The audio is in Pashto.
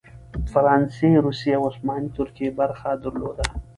فرانسې، روسیې او عثماني ترکیې برخه درلوده.